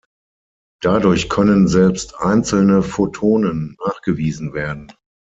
Dadurch können selbst einzelne Photonen nachgewiesen werden.